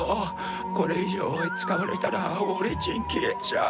これ以上使われたら俺ちん消えちゃう。